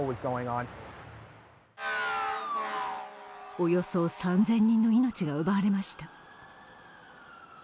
およそ３０００人の命が奪われました。